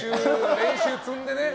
練習を積んでね。